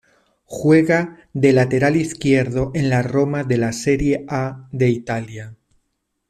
Juega de lateral izquierdo en la Roma de la Serie A de Italia.